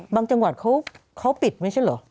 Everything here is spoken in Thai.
จังหวัดเขาปิดไม่ใช่เหรอ